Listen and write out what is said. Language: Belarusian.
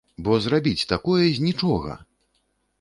Бо зрабіць такое з нічога!